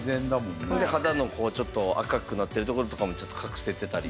で肌のこうちょっと赤くなってる所とかもちょっと隠せてたり。